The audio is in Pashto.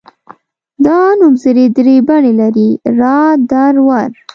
دا نومځري درې بڼې لري را در ور.